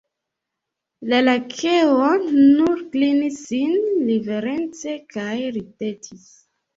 La Lakeo nur klinis sin riverence kaj ridetis.